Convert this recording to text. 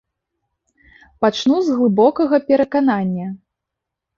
Пачну з глыбокага пераканання.